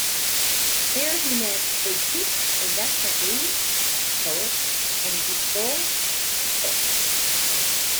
There he met Auguste Vacquerie, a poet, and Victor Hugo.